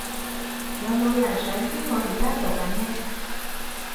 有冇人想知我而家做緊咩？